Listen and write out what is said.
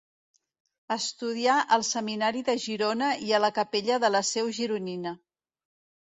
Estudià al Seminari de Girona i a la Capella de la Seu Gironina.